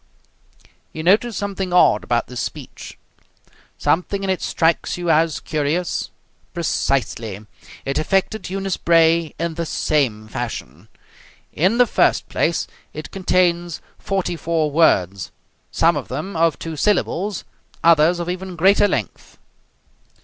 You notice something odd about this speech. Something in it strikes you as curious. Precisely. It affected Eunice Bray in the same fashion. In the first place, it contains forty four words, some of them of two syllables, others of even greater length.